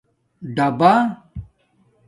ڈَبݳ